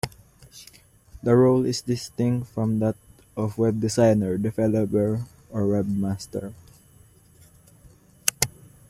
The role is distinct from that of web designer, developer or webmaster.